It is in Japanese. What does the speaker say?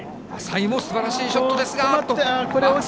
淺井もすばらしいショットですが。